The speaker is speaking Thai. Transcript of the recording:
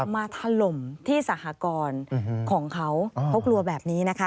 ถล่มที่สหกรณ์ของเขาเขากลัวแบบนี้นะคะ